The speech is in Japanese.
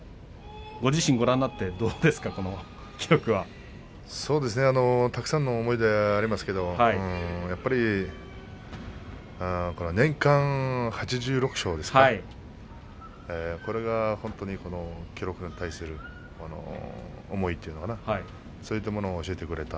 ご自身、ご覧になってどうですかたくさんの思い出ありますけれども、やっぱり年間８６勝、これが本当に記録に対する思いというのかなそういったものを教えてくれた。